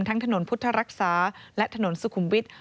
ทั้งถนนพุทธรักษาและถนนสุขุมวิทย์